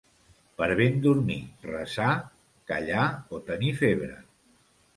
Per ben dormir, resar, callar o tenir febre.